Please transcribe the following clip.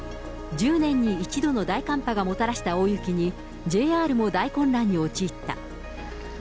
１０年に一度の大寒波がもたらした大雪に、ＪＲも大混乱に陥った。